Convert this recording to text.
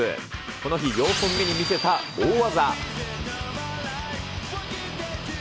この日４本目に見せた大技。